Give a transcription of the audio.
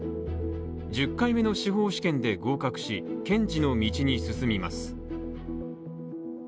１０回目の司法試験で合格し、検事の道に進みます。